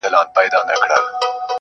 چي ته راتلې هيڅ يو قدم دې ساه نه درلوده~